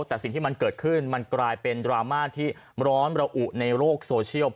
แต่สิ่งที่มันเกิดขึ้นมันกลายเป็นดราม่าที่ร้อนระอุในโลกโซเชียล